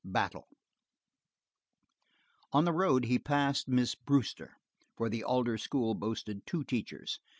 Battle On the road he passed Miss Brewster for the Alder school boasted two teachers!